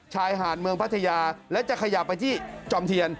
ชายหาดเมืองพัทยาและจะขยับไปที่จอมเทียน